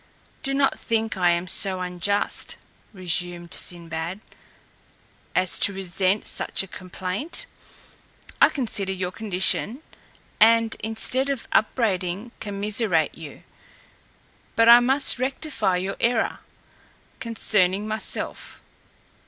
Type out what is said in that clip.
"Do not think I am so unjust," resumed Sinbad, "as to resent such a complaint. I consider your condition, and instead of upbraiding, commiserate you. But I must rectify your error concerning myself.